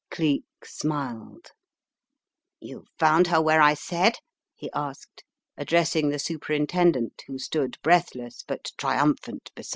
Cleek smiled. "You found her where I said?" he asked, address ing the Superintendent who stood breathless but triumphant beside him.